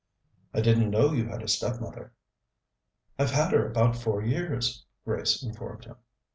"I didn't know you had a stepmother." "I've had her about four years," Grace informed him.